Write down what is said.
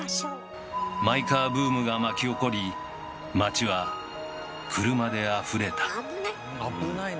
マイカーブームが巻き起こり街は車であふれた危ない！